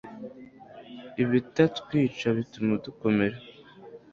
ibitatwica bituma dukomera